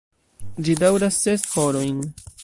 Ĝi daŭras ses horojn.